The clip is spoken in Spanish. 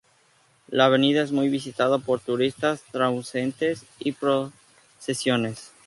La avenida es muy visitada por turistas, transeúntes y procesiones.